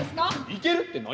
いけるって何？